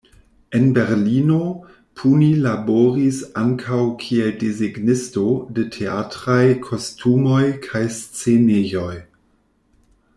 En Berlino, Puni laboris ankaŭ kiel desegnisto de teatraj kostumoj kaj scenejoj.